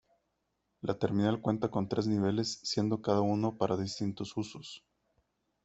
La terminal cuenta con tres niveles siendo cada uno para distintos usos.